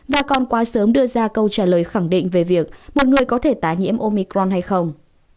và còn quá sớm đưa ra câu trả lời khẳng định về việc một người có thể tái nhiễm omicron hay không